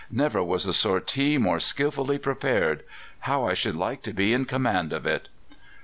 Never was a sortie more skilfully prepared. How I should like to be in command of it!"